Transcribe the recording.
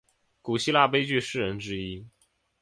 古希腊悲剧诗人之一。